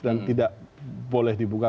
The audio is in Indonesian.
dan tidak boleh dibuka